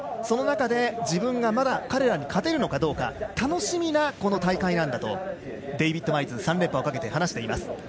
その中で自分がまだ彼らに勝てるのかどうか楽しみな大会なんだとデイビッド・ワイズは３連覇をかけて話しています。